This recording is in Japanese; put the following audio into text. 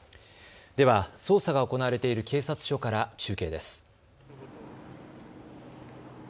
では、捜査が行われている警察署から中継です。